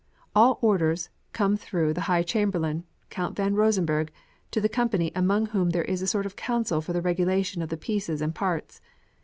All orders come through the High Chamberlain, Count von Rosenberg, to the company, among whom there is a sort of council for the regulation of the pieces and parts.